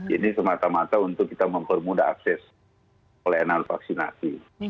ini semata mata untuk kita mempermudah akses pelayanan vaksinasi